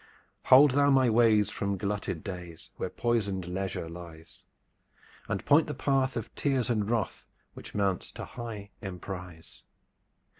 Hold thou my ways from glutted days Where poisoned leisure lies, And point the path of tears and wrath Which mounts to high emprise!